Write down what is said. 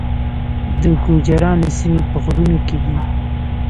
د ګوجرانو سیمې په غرونو کې دي